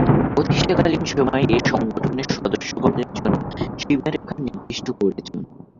প্রতিষ্ঠাকালীন সময়েই এ সংগঠনের সদস্যপদের জন্য সীমারেখা নির্দিষ্ট করে যান।